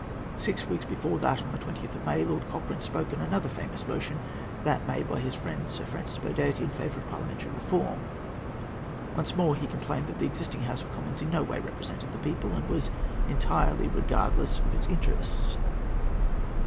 Six weeks before that, on the 20th of May, Lord Cochrane spoke on another famous motion—that made by his friend Sir Francis Burdett in favour of parliamentary reform. Once more, he complained that the existing House of Commons in no way represented the people, and was entirely regardless of its interests.